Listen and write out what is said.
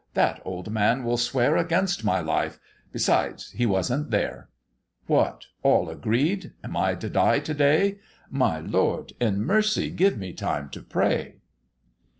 that old man will swear Against my life; besides, he wasn't there: What, all agreed? Am I to die to day? My Lord, in mercy give me time to pray."